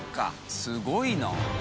すごいな。